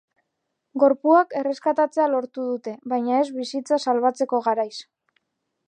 Gorpuak erreskatatzea lortu dute, baina ez bizitza salbatzeko garaiz.